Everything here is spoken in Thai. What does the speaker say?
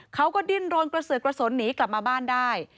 เขาก็ดิ้นรนกระเสือกกระสนหนีกลับมาบ้านได้